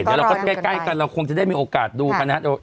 เดี๋ยวเราก็ใกล้กันเราคงจะได้มีโอกาสดูกันนะครับ